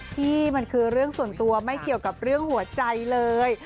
ที่มันคือเรื่องส่วนตัวไม่เกี่ยวกับเรื่องหัวใจเลย